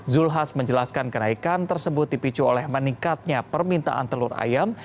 zulkifli hasan menjelaskan kenaikan tersebut dipicu oleh meningkatnya permintaan telur ayam